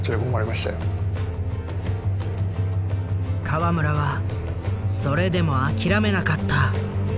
河村はそれでも諦めなかった。